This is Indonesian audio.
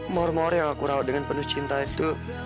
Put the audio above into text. mawar mawar yang aku rawat dengan penuh cinta itu